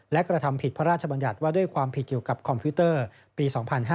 และกระทำผิดพระราชบัญญัติว่าด้วยความผิดเกี่ยวกับคอมพิวเตอร์ปี๒๕๕๙